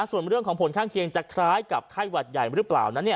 ส่วนเรื่องของผลข้างเคียงจะคล้ายกับไข้หวัดใหญ่หรือเปล่านั้น